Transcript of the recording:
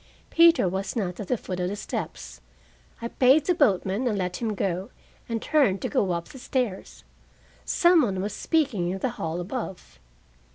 Peter was not at the foot of the steps. I paid the boatman and let him go, and turned to go up the stairs. Some one was speaking in the hall above.